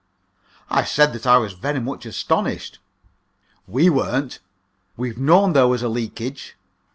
I said that I was very much astonished. "We weren't. We've known there was a leakage.